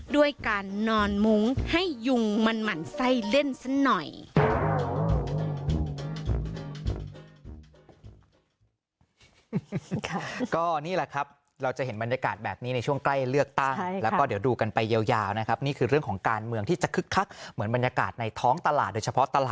ด้วยการนอนมุ้งให้ยุงมันหมั่นไส้เล่นซะหน่อย